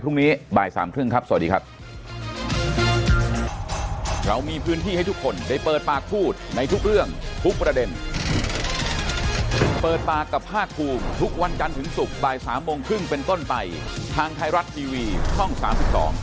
พบกันใหม่พรุ่งนี้บ่ายสามครึ่งครับสวัสดีครับ